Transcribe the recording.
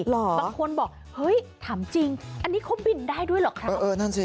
บางคนบอกเฮ้ยถามจริงอันนี้เขาบินได้ด้วยเหรอครับ